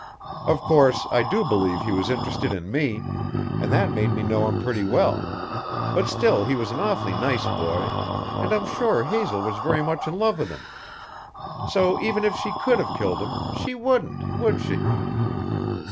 Of course, I do believe he was interested in me, and that made me know him pretty well; but still he was an awfully nice boy, and I'm sure Hazel was very much in love with him. So even if she could have killed him, she wouldn't, would she?"